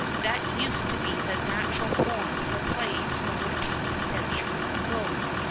That used to be the natural form for plays over two centuries ago.